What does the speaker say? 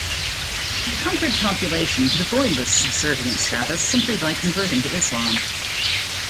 The conquered population could avoid this subservient status simply by converting to Islam.